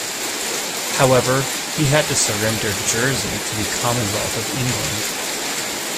However, he had to surrender Jersey to the Commonwealth of England.